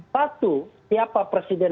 satu siapa presiden